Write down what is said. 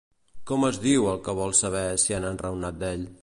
Com es diu el que vol saber si han enraonat d'ell?